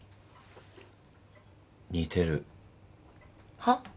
似てる。はっ？